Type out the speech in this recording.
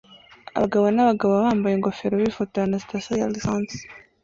Abagabo n'abagabo bambaye ingofero bifotora na sitasiyo ya lisansi